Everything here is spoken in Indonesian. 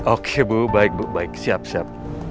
oke bu baik bu baik siap siap